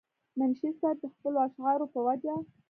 منشي صېب د خپلو اشعارو پۀ وجه